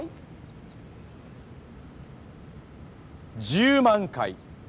１０万回。